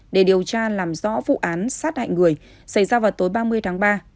để điều tra làm rõ vụ án sát hại người xảy ra vào tối ba mươi tháng ba